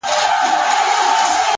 د فکر عادتونه سرنوشت جوړوي